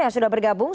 yang sudah bergabung